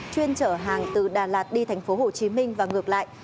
chuyên chở hàng từ đà lạt đi tp hồ chí minh và ngược lại